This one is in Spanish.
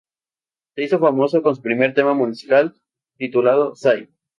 Se hizo famoso con su primer tema musical titulado "Sai".